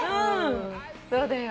そうだよ。